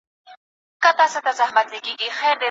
په څېړنه کي له ړانده تقلید څخه ډډه وکړئ.